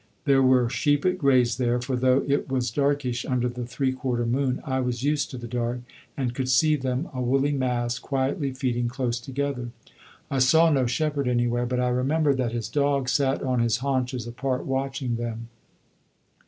There were sheep at graze there, for though it was darkish under the three quarter moon, I was used to the dark, and could see them, a woolly mass, quietly feeding close together. I saw no shepherd anywhere; but I remember that his dog sat on his haunches apart, watching them.